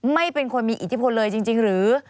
ไม่เป็นคนมีอิทธิพลเลยจริงหรือ